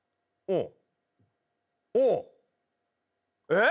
うん。